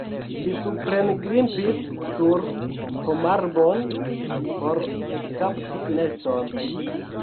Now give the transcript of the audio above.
Li suprengrimpis sur pomarbon por ekkapti neston.